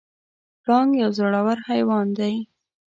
پړانګ یو زړور حیوان دی.